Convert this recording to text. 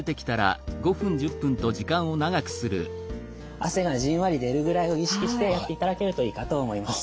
汗がじんわり出るぐらいを意識してやっていただけるといいかと思います。